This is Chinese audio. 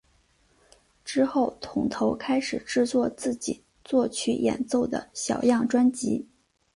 之后桶头开始制作自己作曲演奏的小样专辑。